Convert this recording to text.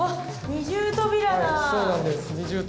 二重扉だ。